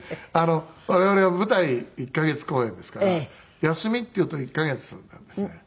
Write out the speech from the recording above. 我々は舞台１カ月公演ですから休みっていうと１カ月なんですね。